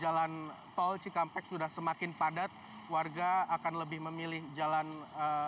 jadi kita tidak tahu apakah nanti ketika jalan tol cikampek sudah semakin padat warga akan lebih memilih jalan raya non tol begitu sejauh ini alviand